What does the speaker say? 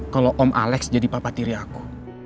kalau om alex jadi papa tiri aku